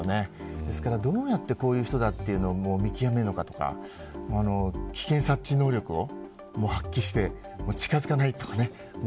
ですから、どうやってこういう人だと見極めるのかとか危険察知能力を発揮して近づかないとか。